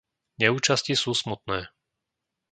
Neúčasti sú smutné.